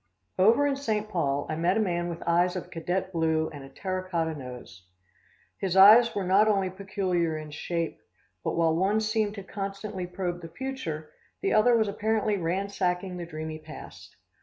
Over in St. Paul I met a man with eyes of cadet blue and a terra cotta nose. His eyes were not only peculiar in shape, but while one seemed to constantly probe the future, the other was apparently ransacking the dreamy past.